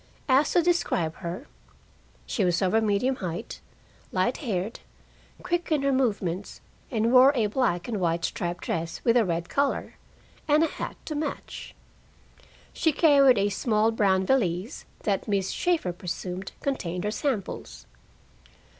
Asked to describe her she was over medium height, light haired, quick in her movements, and wore a black and white striped dress with a red collar, and a hat to match. She carried a small brown valise that Miss Shaeffer presumed contained her samples.